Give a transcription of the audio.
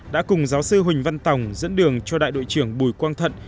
đã cùng giáo sư huỳnh văn tòng dẫn đường cho đại đội trưởng bùi quang thận